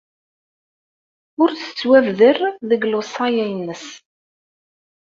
Ur d-tettwabder deg lewṣaya-nnes.